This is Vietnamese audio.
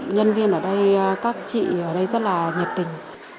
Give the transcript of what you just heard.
nhân viên ở đây các chị ở đây rất là nhiệt tình